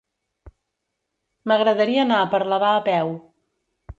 M'agradaria anar a Parlavà a peu.